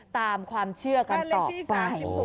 ตามความเชื่อกันต่อไป